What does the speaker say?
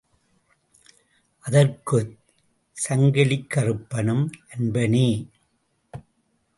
அதற்குச் சங்கிலிக்கறுப்பனும் அன்பனே!